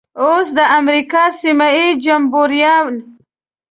اوس د امریکا سیمه ییز جمبوریان.